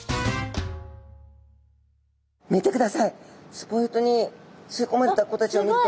スポイトに吸いこまれた子たちを見ると。